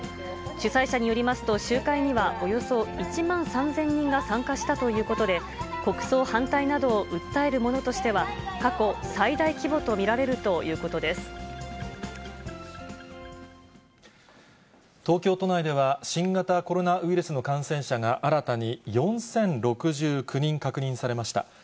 主催者によりますと、集会にはおよそ１万３０００人が参加したということで、国葬反対などを訴えるものとしては、過去最大規模と東京都内では、新型コロナウイルスの感染者が、新たに４０６９人確認されました。